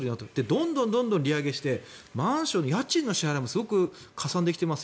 どんどん利上げしてマンション、家賃の支払いもすごくかさんできてます